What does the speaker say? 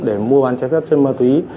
để mua bán trái phép chất ma túy